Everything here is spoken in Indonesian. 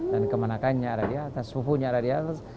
dan kemanakannya ada di atas suhunya ada di atas